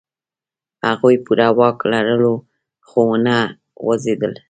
هغوی پوره واک لرلو، خو و نه خوځېدل.